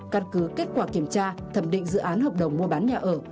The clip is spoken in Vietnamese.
căn cứ kết quả kiểm tra thẩm định dự án hợp đồng mua bán nhà ở